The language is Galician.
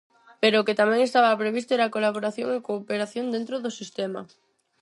Pero o que tamén estaba previsto era a colaboración e cooperación dentro do sistema.